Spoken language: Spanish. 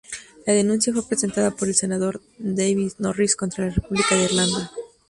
La denuncia fue presentada por el senador David Norris contra la República de Irlanda.